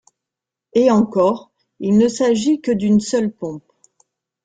Et encore, il ne s'agit que d'une seule pompe.